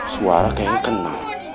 suara kayak kenal